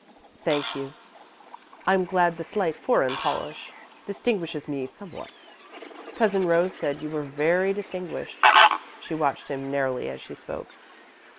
"Thank you, I'm glad the slight foreign polish distinguishes me somewhat" "Cousin Rose said you were very distinguished." She watched him narrowly as she spoke.